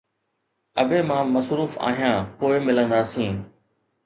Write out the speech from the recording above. ابي مان مصروف آهيان، پوءِ ملنداسين